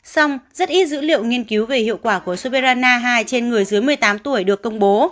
xong rất ít dữ liệu nghiên cứu về hiệu quả của sopera na hai trên người dưới một mươi tám tuổi được công bố